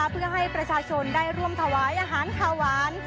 เพื่อให้ประชาชนได้ร่วมถวายอาหารขาวหวาน